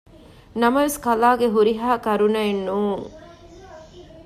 ނަމަވެސް ކަލާގެ ހުރިހާ ކަރުނައެއް ނޫން